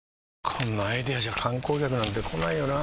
こんなアイデアじゃ観光客なんて来ないよなあ